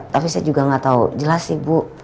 tapi saya juga nggak tahu jelas sih bu